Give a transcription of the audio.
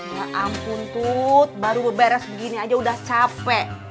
ya ampun tuh baru beres begini aja udah capek